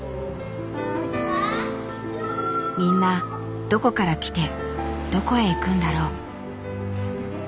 みんなどこから来てどこへ行くんだろう。